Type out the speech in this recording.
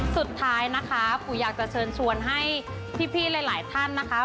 สุดท้ายนะคะปู่อยากจะเชิญชวนให้พี่หลายท่านนะคะ